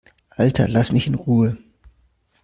Alter, lass mich in Ruhe!